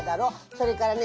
それからね